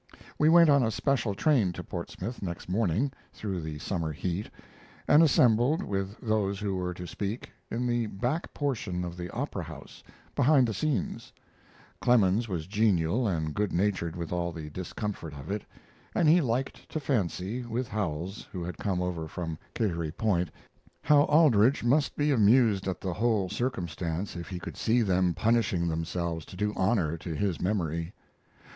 We went on a special train to Portsmouth next morning through the summer heat, and assembled, with those who were to speak, in the back portion of the opera house, behind the scenes: Clemens was genial and good natured with all the discomfort of it; and he liked to fancy, with Howells, who had come over from Kittery Point, how Aldrich must be amused at the whole circumstance if he could see them punishing themselves to do honor to his memory.